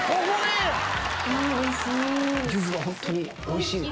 おいしい。